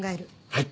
はい！